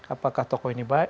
apakah tokoh ini baik